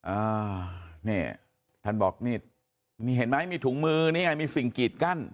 อ่านี่ท่านบอกนี่นี่เห็นไหมมีถุงมือนี่ไงมีสิ่งกีดกั้น